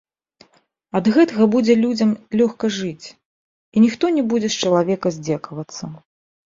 Ад гэтага будзе людзям лёгка жыць, і ніхто не будзе з чалавека здзекавацца.